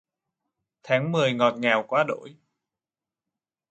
Tháng mười ngọt ngào quá đỗi